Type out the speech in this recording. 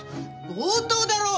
強盗だろう！